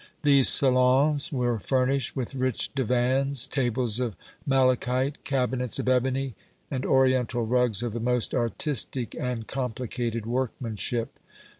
These salons were furnished with rich divans, tables of malachite, cabinets of ebony, and oriental rugs of the most artistic and complicated workmanship.